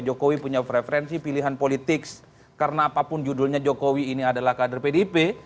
jokowi punya preferensi pilihan politik karena apapun judulnya jokowi ini adalah kader pdip